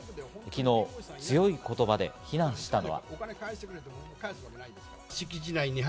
昨日、強い言葉で非難したのは。